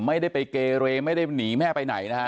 ไม่ได้ไปเกเรไม่ได้หนีแม่ไปไหนนะฮะ